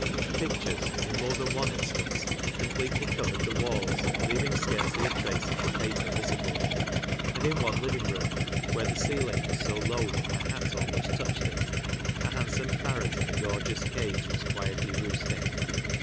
Pictures, in more than one instance, completely covered the walls, leaving scarcely a trace of the paper visible ; and in one living room, where the ceiling was so low that my hat almost touched it, a handsome parrot in a gorgeous cage was quietly roosting.